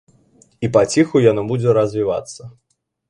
І паціху яно будзе развівацца.